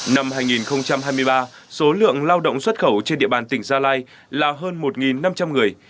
năm hai nghìn hai mươi ba số lượng lao động xuất khẩu trên địa bàn tỉnh gia lai là hơn một năm trăm linh người